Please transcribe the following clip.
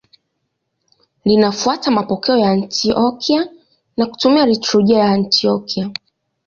Linafuata mapokeo ya Antiokia na kutumia liturujia ya Antiokia.